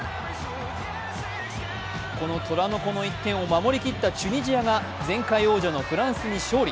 この虎の子の１点を守り切ったチュニジアが前回王者のフランスに勝利。